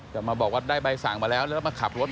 จะมาบอกว่าได้ใบสั่งมาแล้วแล้วมาขับรถ